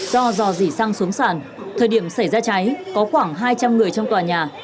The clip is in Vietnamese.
do giò dỉ sang xuống sàn thời điểm xảy ra cháy có khoảng hai trăm linh người trong tòa nhà